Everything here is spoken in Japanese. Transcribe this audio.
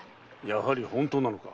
やはり本当なのか？